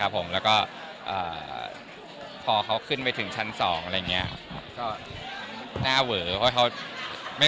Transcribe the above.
พอเขาขึ้นไปถึงชั้น๒หน้าเหว